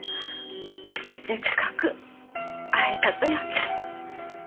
せっかく会えたとやけん。